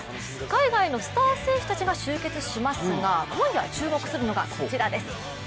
海外のスター選手たちが集結しますが今夜、注目するのがこちらです。